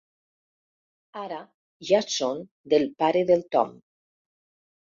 Ara ja són del pare del Tom.